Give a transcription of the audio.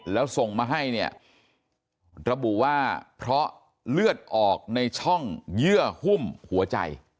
แล้วส่งมาให้เนี่ยระบุว่าเพราะเลือดออกในช่องเยื่อหุ้มหัวใจ